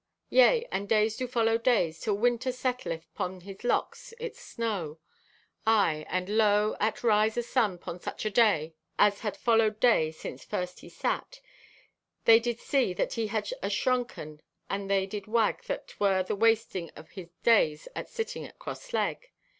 "Yea, and days do follow days till Winter setteleth 'pon his locks its snow. Aye, and lo, at rise o' sun 'pon such an day as had followed day since first he sat, they did see that he had ashrunked and they did wag that 'twere the wasting o' his days at sitting at crossleg.